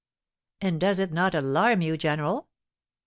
"And does it not alarm you, general?"